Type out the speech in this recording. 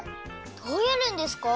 どうやるんですか？